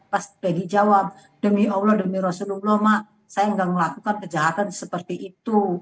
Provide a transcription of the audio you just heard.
pas pegi jawab demi allah demi rasulullah mak saya enggak melakukan kejahatan seperti itu